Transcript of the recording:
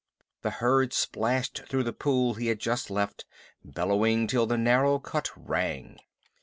The herd splashed through the pool he had just left, bellowing till the narrow cut rang.